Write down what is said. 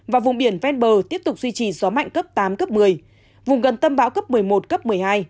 và vùng biển ven bờ tiếp tục duy trì gió mạnh cấp tám cấp một mươi vùng gần tâm bão cấp một mươi một cấp một mươi hai